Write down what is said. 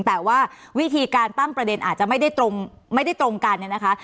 แต่ว่าวิธีการตั้งประเด็นอาจจะไม่ได้ตรงไม่ได้ตรงกันเนี่ยนะคะ